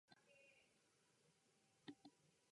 滑らかなナメクジ